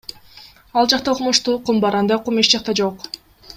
Ал жакта укмуштуу кум бар, андай кум эч жакта жок!